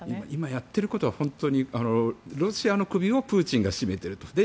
今やってることは本当にロシアの首をプーチンが絞めていると。